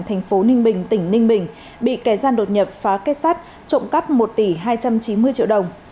thành phố ninh bình tỉnh ninh bình bị kẻ gian đột nhập phá kết sát trộm cắp một tỷ hai trăm chín mươi triệu đồng